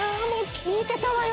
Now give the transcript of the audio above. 聞いてたわよ